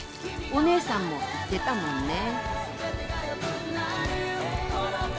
お姉さんも言ってたもんね。